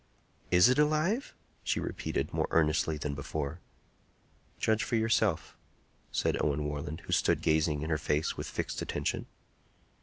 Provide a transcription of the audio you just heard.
"Is it alive?" she repeated, more earnestly than before. "Judge for yourself," said Owen Warland, who stood gazing in her face with fixed attention.